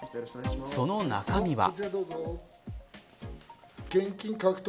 その中身は。